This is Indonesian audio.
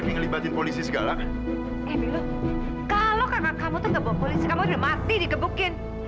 kamu tuh ngebok polisi kamu udah mati digebukin